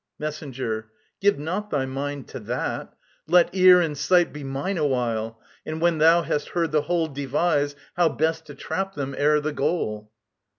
MESSENGER. Give not thy mind to that. Let ear and sight Be mine awhile; and when thou hast heard the whole Devise how best to trap them ere the goal.